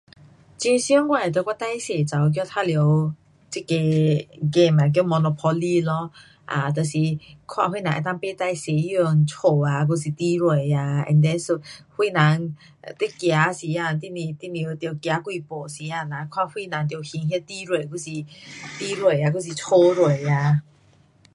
很常我会跟我最小的女孩儿玩耍这个 game 啊叫 monopoly 咯，um 就是看谁人能够买最多间家啊，还是地税啊，and then so 谁人，你走时间，你不，你不得走几步时间看呐谁人得还地税，还是地税啊还是家税啊。